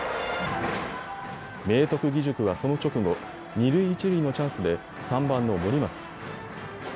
明徳義塾はその直後、二塁一塁のチャンスで３番の森松。